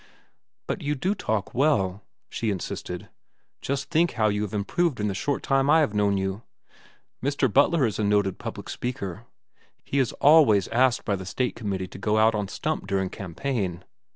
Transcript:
"But you do talk well," she insisted. "Just think how you have improved in the short time I have known you. Mr. Butler is a noted public speaker. He is always asked by the State Committee to go out on stump during campaign.